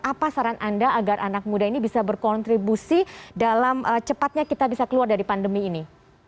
apa saran anda agar anak muda ini bisa berkontribusi dalam cepatnya kita bisa keluar dari pandemi ini